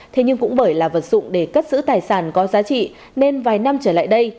thế nhưng cũng bởi là vật dụng để cất giữ tài sản có giá trị nên vài năm trở lại đây